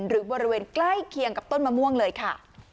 บริเวณใกล้เคียงกับต้นมะม่วงเลยค่ะ